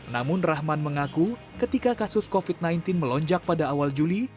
namun rahman mengaku ketika kasus covid sembilan belas melonjak pada awal juli